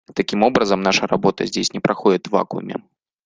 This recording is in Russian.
Таким образом, наша работа здесь не проходит в вакууме.